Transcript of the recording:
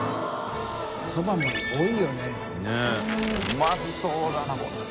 うまそうだなこれ。